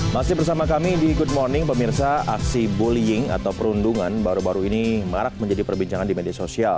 masih bersama kami di good morning pemirsa aksi bullying atau perundungan baru baru ini marak menjadi perbincangan di media sosial